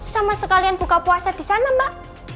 sama sekalian buka puasa disana mbak